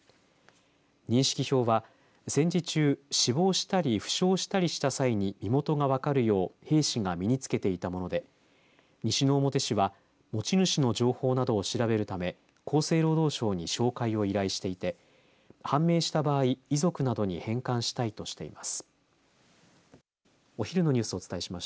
認識証は戦時中死亡したり、負傷したりした際に身元が分かるよう兵士が身に着けていたもので西之表市は持ち主の情報などを調べるため厚生労働省に照会を依頼していて判明した場合、遺族などに返還したいとしています。